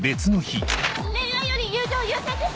恋愛より友情優先です！